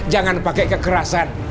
jangan pakai kekerasan